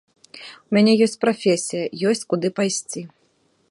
У мяне ёсць прафесія, ёсць куды пайсці.